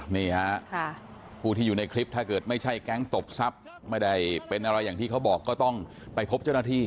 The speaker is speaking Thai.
นี่ฮะผู้ที่อยู่ในคลิปถ้าเกิดไม่ใช่แก๊งตบทรัพย์ไม่ได้เป็นอะไรอย่างที่เขาบอกก็ต้องไปพบเจ้าหน้าที่